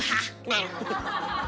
なるほど。